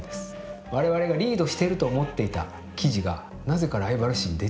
我々がリードしてると思っていた記事がなぜかライバル誌に出ている。